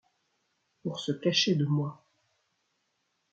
pour se cacher de moi.